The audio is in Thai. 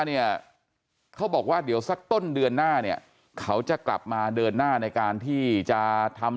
เนี่ยเขาบอกว่าเดี๋ยวสักต้นเดือนหน้าเนี่ยเขาจะกลับมาเดินหน้าในการที่จะทำ